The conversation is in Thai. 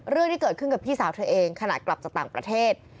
เรื่องที่เกิดขึ้นกับพี่สาวเธอเองขณะกลับจากต่างประเทศ